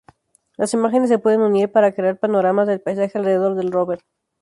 Las imágenes se pueden unir para crear panoramas del paisaje alrededor del rover.